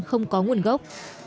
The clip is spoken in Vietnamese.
không có nguồn gốc